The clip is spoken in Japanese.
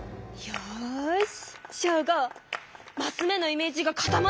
よし。